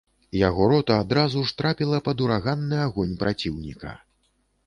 Яго рота адразу ж трапіла пад ураганны агонь праціўніка.